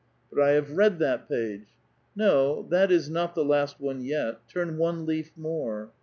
" But I have read that page !"" No ; that is not the last one yet. Turn one leaf more."